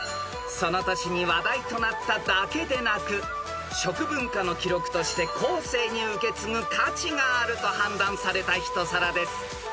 ［その年に話題となっただけでなく食文化の記録として後世に受け継ぐ価値があると判断された一皿です］